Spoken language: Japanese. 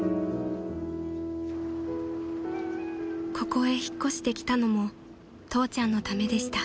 ［ここへ引っ越してきたのも父ちゃんのためでした］